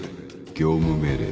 業務命令だ